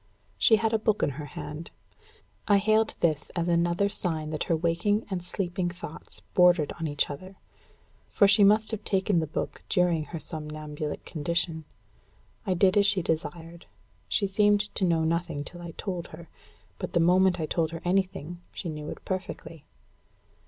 She had a book in her hand. I hailed this as another sign that her waking and sleeping thoughts bordered on each other; for she must have taken the book during her somnambulic condition. I did as she desired. She seemed to know nothing till I told her. But the moment I told her anything, she knew it perfectly.